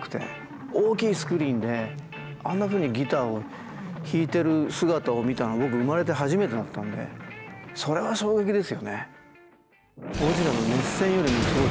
大きいスクリーンであんなふうにギターを弾いてる姿を見たのは僕生まれて初めてだったんでそれは衝撃ですよね。